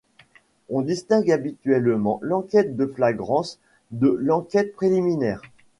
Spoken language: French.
On distingue habituellement l'enquête de flagrance de l'enquête préliminaire.